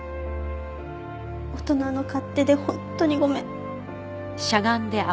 大人の勝手で本当にごめん。